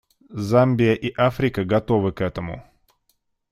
Замбия и Африка готовы к этому.